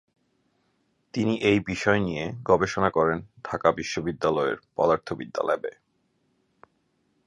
তিনি এই বিষয় নিয়ে গবেষণা করেন ঢাকা বিশ্ববিদ্যালয়ের পদার্থবিদ্যা ল্যাবে।